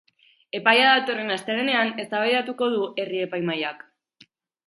Epaia datorren astelehenean eztabaidatuko du herri-epaimahaiak.